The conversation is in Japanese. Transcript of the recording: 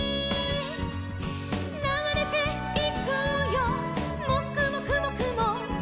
「ながれていくよもくもくもくも」